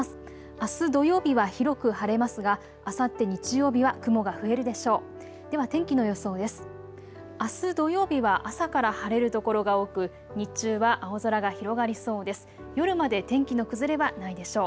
あす土曜日は広く晴れますがあさって日曜日は雲が増えるでしょう。